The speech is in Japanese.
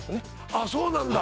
あっそうなんだ